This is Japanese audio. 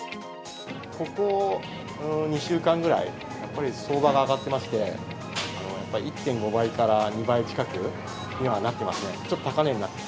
ここ２週間ぐらい、やっぱり相場が上がってまして、やっぱり１．５倍から２倍近くにはなってますね。